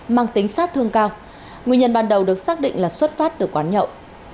mang tính sát thương cao nguyên nhân ban đầu được xác định là xuất phát từ quán nhậu